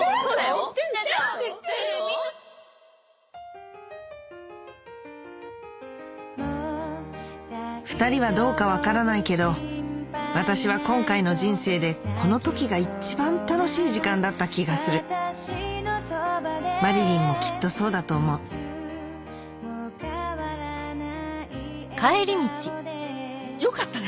『ＢｅｓｔＦｒｉｅｎｄ』２人はどうか分からないけど私は今回の人生でこの時が一番楽しい時間だった気がするまりりんもきっとそうだと思うよかったね！